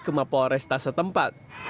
kema polresta setempat